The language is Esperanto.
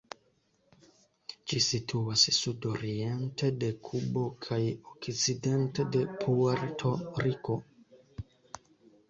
Ĝi situas sudoriente de Kubo kaj okcidente de Puerto-Riko.